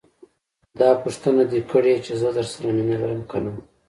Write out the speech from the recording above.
داح پوښتنه دې کړې چې زه درسره مينه لرم که نه.